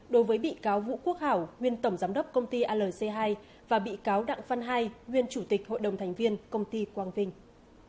đối với bị cáo vũ quốc hảo nguyên tổng giám đốc công ty alc hai và bị cáo đặng văn hai nguyên chủ tịch hội đồng thành viên công ty quang vinh